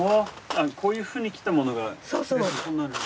こういうふうに切ったものが。